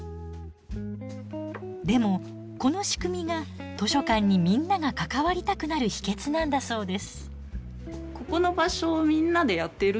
でもこの仕組みが図書館にみんなが関わりたくなる秘けつなんだそうです。